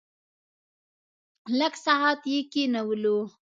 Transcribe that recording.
لږ ساعت یې کېنولو.